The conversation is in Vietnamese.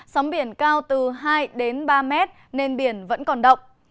sóng biển cao từ hai đến ba mét nên biển vẫn còn động